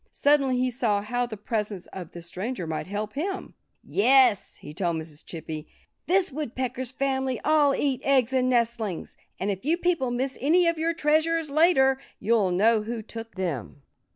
Suddenly he saw how the presence of this stranger might help him. "Yes!" he told Mrs. Chippy. "This Woodpecker family all eat eggs and nestlings. And if you people miss any of your treasures, later, you'll know who took them."